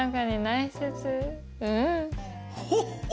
うん。